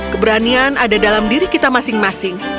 keberanian ada dalam diri kita masing masing